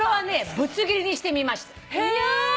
ぶつ切りにしてみました。